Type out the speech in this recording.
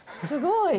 すごい。